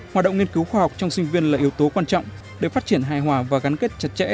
hoạt động nghiên cứu khoa học trong sinh viên là yếu tố quan trọng để phát triển hài hòa và gắn kết chặt chẽ